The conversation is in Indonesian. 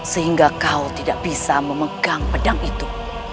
sehingga kau tidak bisa memegang pedang itu